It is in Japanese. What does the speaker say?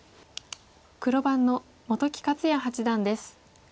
黒番の本木克弥八段です。